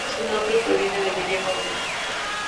Su nombre proviene del idioma guna.